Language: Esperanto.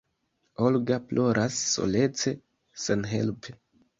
Olga ploras solece, senhelpe.